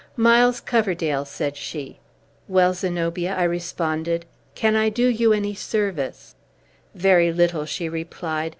"Miles Coverdale!" said she. "Well, Zenobia," I responded. "Can I do you any service?" "Very little," she replied.